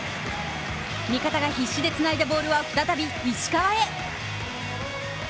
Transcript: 味方が必死でつないだボールは再び石川へ。